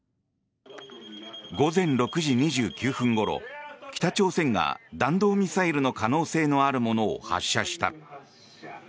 午前６時２９分ごろ北朝鮮が弾道ミサイルの可能性のあるものを発射した。